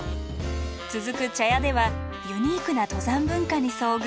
続く茶屋ではユニークな登山文化に遭遇。